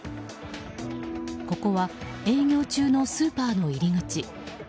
ここは営業中のスーパーの入り口。